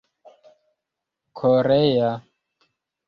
korea